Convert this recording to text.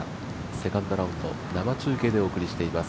セカンドラウンド、生中継でお送りしています。